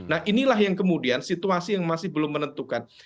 nah inilah yang kemudian situasi yang masih belum menentukan